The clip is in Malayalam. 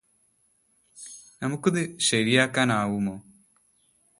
നമുക്കിത് ശരിയാക്കാനാവുമോ